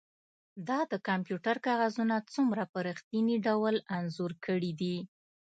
تا د کمپیوټر کاغذونه څومره په ریښتیني ډول انځور کړي دي